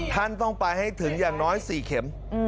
ท่านต้องไปให้ถึงอย่างน้อย๔เข็ม